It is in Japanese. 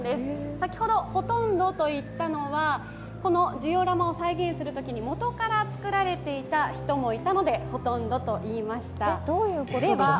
先ほどほとんどといったのはこのジオラマを再現するときに元から作られていた人もいたのでほとんどと言いました。